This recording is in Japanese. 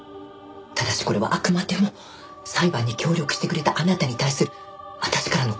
ただしこれはあくまでも裁判に協力してくれたあなたに対する私からの厚意よ。